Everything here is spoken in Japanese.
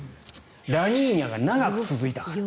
ラニーニャが長く続いたから。